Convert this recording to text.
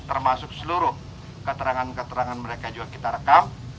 termasuk seluruh keterangan keterangan mereka juga kita rekam